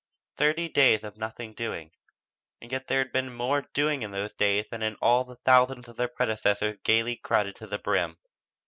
'" Thirty days of "nothing doing" and yet there had been more "doing" in those days than in all the thousands of their predecessors gaily crowded to the brim.